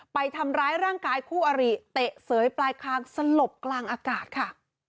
ไปทำร้ายร่างกายคู่อริเตะเสยปลายคางสลบกลางอากาศค่ะ